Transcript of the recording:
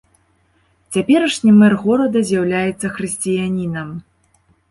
Цяперашні мэр горада з'яўляецца хрысціянінам.